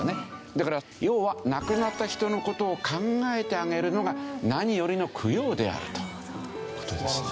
だから要は亡くなった人の事を考えてあげるのが何よりの供養であるという事ですよね。